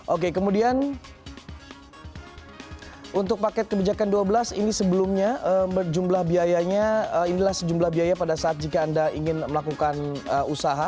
oke kemudian untuk paket kebijakan dua belas ini sebelumnya jumlah biayanya inilah sejumlah biaya pada saat jika anda ingin melakukan usaha